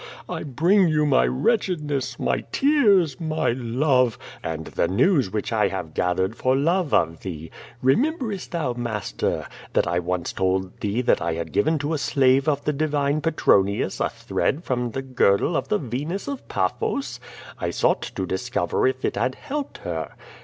I bring you my wretchedness, my tears, my love, and the news which I have gathered for love of thee. Rememberest thou, master, that I once told thee I had given to a slave of the divine Petronius a thread from the girdle of the A^enus of Paphos? I sought to dis cover if it had helped her.